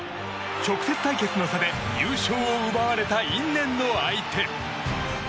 直接対決の差で優勝を奪われた因縁の相手。